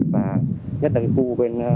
và nhất là khu bên